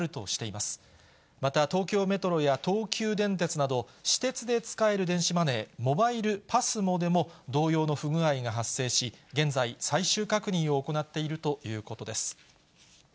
また、東京メトロや東急電鉄など、私鉄で使える電子マネー、モバイルＰＡＳＭＯでも同様の不具合が発生し、現在、最終確認を行っているということです。